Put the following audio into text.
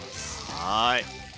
はい。